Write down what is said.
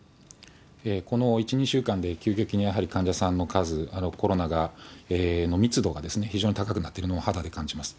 この１、２週間で急激にやはり患者さんの数、コロナが、密度が非常に高くなっているのを肌で感じます。